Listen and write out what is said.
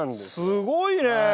すごいね！